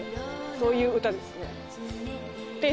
そういう歌ですね